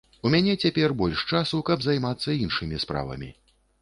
У мяне цяпер больш часу, каб займацца іншымі справамі.